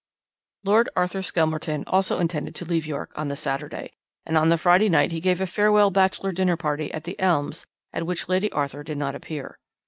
"Lord Arthur Skelmerton also intended to leave York on the Saturday, and on the Friday night he gave a farewell bachelor dinner party at 'The Elms,' at which Lady Arthur did not appear.